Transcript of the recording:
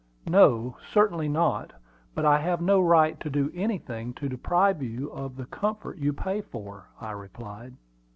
"No, certainly not; but I have no right to do anything to deprive you of the comfort you pay for," I replied.